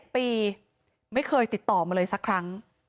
๗ปีไม่เคยติดต่อมาเลยสักครั้ง